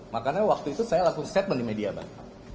makanya waktu itu saya langsung statement di media mbak